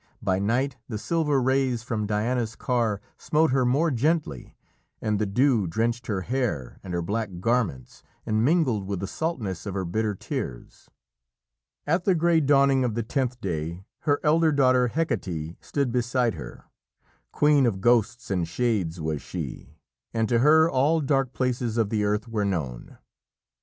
By night the silver rays from Diana's car smote her more gently, and the dew drenched her hair and her black garments and mingled with the saltness of her bitter tears. At the grey dawning of the tenth day her elder daughter, Hecate, stood beside her. Queen of ghosts and shades was she, and to her all dark places of the earth were known.